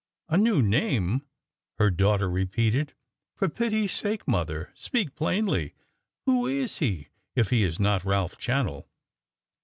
"A new name!" her daughter repeated. "For pity's sake, mother, speak plainly. Who is he, if he is not Ralph Channell?"